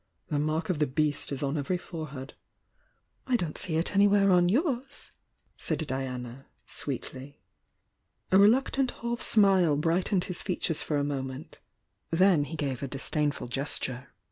The Mark of the Beast is on every ^"'iS't see it anywhere on yours!" said Diana, 'Trductant half smile brightened his features for a moment, then he gave a d'^dainful gesture.